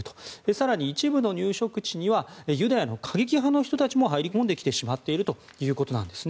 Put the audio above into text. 更に、一部の入植地にはユダヤの過激派の人たちも入り込んできてしまっているということです。